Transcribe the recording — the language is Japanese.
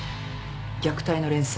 虐待の連鎖。